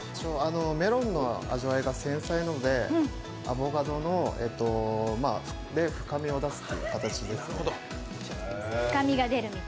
メロンの味わいが繊細なので、アボカドで深みを出すという形ですね。